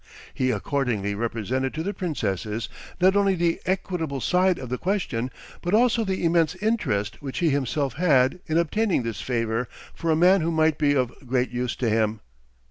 He accordingly represented to the princesses not only the equitable side of the question, but also the immense interest which he himself had in obtaining this favor for a man who might be of great use to him.